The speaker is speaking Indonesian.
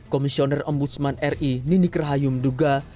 komisioner ombudsman ri nini kerhayu menduga